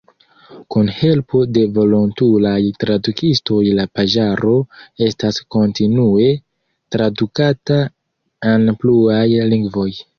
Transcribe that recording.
Kun helpo de volontulaj tradukistoj la paĝaro estas kontinue tradukata en pluaj lingvoj.